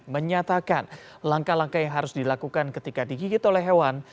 menyatakan langkah langkah yang harus dilakukan ketika digigit oleh hewan